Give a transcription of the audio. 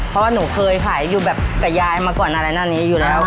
เพราะว่าหนูเคยขายอยู่แบบกับยายมาก่อนอะไรหน้านี้อยู่แล้ว